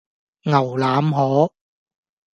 牛腩河